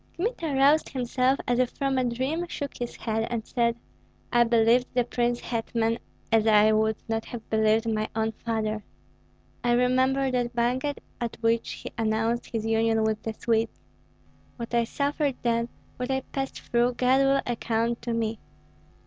Kmita roused himself as if from a dream, shook his head, and said, "I believed the prince hetman as I would not have believed my own father. I remember that banquet at which he announced his union with the Swedes. What I suffered then, what I passed through, God will account to me.